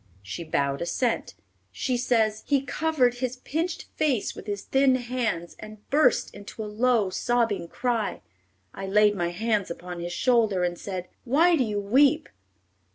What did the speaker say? She bowed assent. She says: "He covered his pinched face with his thin hands and burst into a low, sobbing cry. I laid my hand upon his shoulder, and said, 'Why do you weep?'